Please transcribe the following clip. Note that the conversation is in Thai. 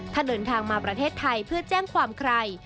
ถ้าเดินทางมาประเทศไทยเพื่อแจ้งความใคร